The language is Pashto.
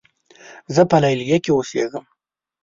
زۀ په لیلیه کې اوسېږم.